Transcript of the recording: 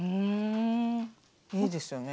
いいですよね。